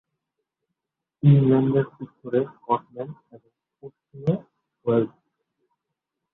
ইংল্যান্ডের উত্তরে স্কটল্যান্ড এবং পশ্চিমে ওয়েলস।